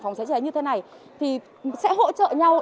phòng cháy cháy như thế này thì sẽ hỗ trợ nhau